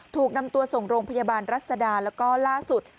ถูกนำตัวส่งโรงพยาบาลรัศดาแล้วก็ล่าสุด